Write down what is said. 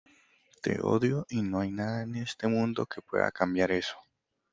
te odio y no hay nada en este mundo que pueda cambiar eso.